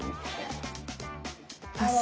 パス？